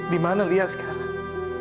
di mana lia sekarang